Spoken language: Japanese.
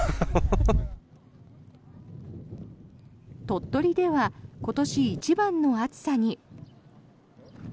鳥取では今年一番の暑さに。